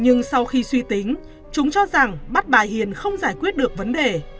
nhưng sau khi suy tính chúng cho rằng bắt bà hiền không giải quyết được vấn đề